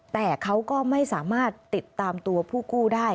แต่เขาก็ไม่สามารถติดตามตัวผู้กู้ได้